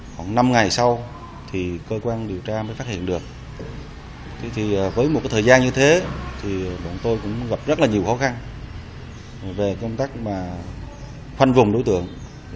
một ngày sau cơ quan điều tra mới phát hiện được với một thời gian như thế bọn tôi cũng gặp rất nhiều khó khăn về công tác khoanh vùng đối tượng